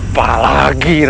apa yang kamu inginkan